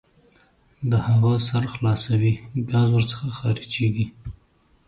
د هغه سر خلاصوئ ګاز ور څخه خارجیږي.